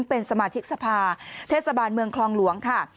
เป็นสมาชิกสภาเทศบาลเมืองคลองหลวงค่ะ